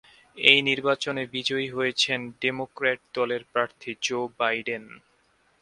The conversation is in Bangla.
এই নির্বাচনে বিজয়ী হয়েছেন ডেমোক্র্যাট দলের প্রার্থী জো বাইডেন।